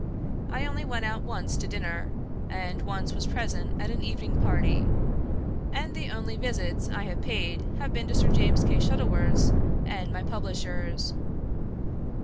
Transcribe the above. I only went out once to dinner; and once was present at an evening party; and the only visits I have paid have been to Sir James Kay Shuttleworth's and my publisher's.